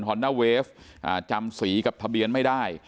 ฮอร์น่าเวฟอ่าจำสีกับทะเบียนไม่ได้